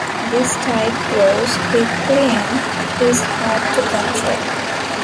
This type grows quickly and is hard to control.